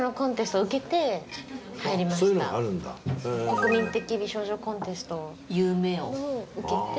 国民的美少女コンテストを受けて。